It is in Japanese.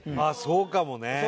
ああそうかもね。